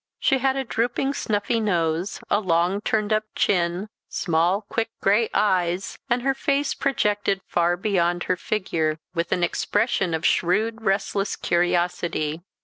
She had a drooping snuffy nose, a long turned up chin, small quick gray eyes, and her face projected far beyond her figure, with an expression of shrewd restless curiosity.